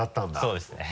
そうですね。